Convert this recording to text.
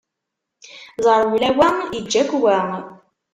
Ẓerwel a wa, iǧǧa-k wa!